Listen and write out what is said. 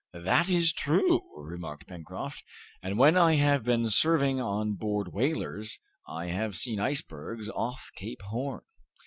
"That is true," remarked Pencroft, "and when I have been serving on board whalers I have seen icebergs off Cape Horn."